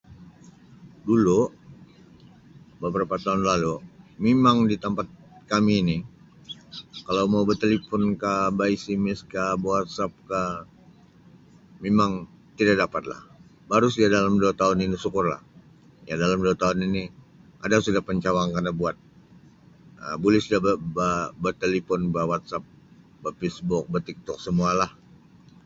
Dulu beberapa taun lalu mimang di tempat kami ini kalau mau batelepon ka, basms ka, bewasap ka memang tida dapatlah baru seja dalam dua taun ini sukurlah. Ya dalam dua taun ini ada sudah pencawang kana buat Um boleh sudah ba-batalipun, bawasap, batiktok bafacebook semua lah.